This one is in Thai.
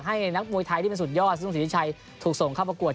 นักมวยไทยที่มันสุดยอดซึ่งสิทธิชัยถูกส่งเข้าประกวด